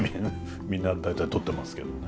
みんな大体取ってますけどもね。